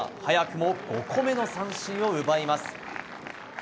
早くも５個目の三振を奪います。